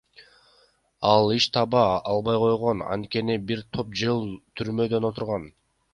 Ал иш таба албай койгон, анткени бир топ жыл түрмөдө отурган.